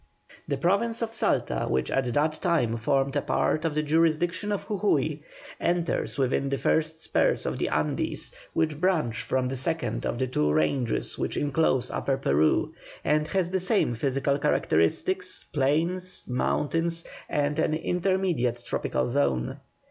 The Province of Salta, which at that time formed a part of the jurisdiction of Jujui, enters within the first spurs of the Andes which branch from the second of the two ranges which enclose Upper Peru, and has the same physical characteristics, plains, mountains, and an intermediate tropical zone.